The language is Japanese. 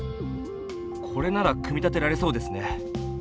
これなら組み立てられそうですね。